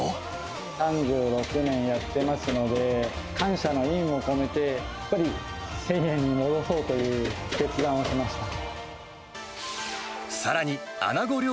３６年やってますので、感謝の意味も込めて、やっぱり１０００円に戻そうという決断をしました。